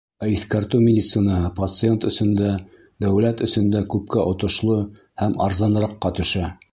Ә иҫкәртеү медицинаһы пациент өсөн дә, дәүләт өсөн дә күпкә отошло һәм арзаныраҡҡа төшә.